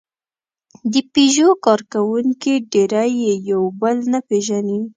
د پيژو کارکوونکي ډېری یې یو بل نه پېژني.